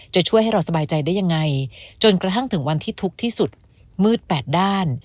จะช่วยให้เราสบายใจได้ยังไงจนกระทั่งถึงวันที่ทุกข์ที่สุดมืดแปดด้าน